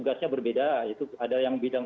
tugasnya berbeda itu ada yang bidang